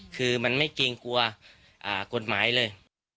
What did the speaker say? คือมันไม่เกรงกลัวกฎหมายเลย